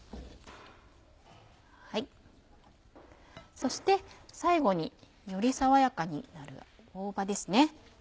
そして最後により爽やかになる大葉ですね。